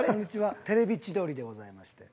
『テレビ千鳥』でございまして。